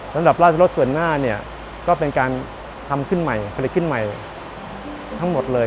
ระดับราชรสส่วนหน้าเนี่ยก็เป็นการทำขึ้นใหม่ผลิตขึ้นใหม่ทั้งหมดเลย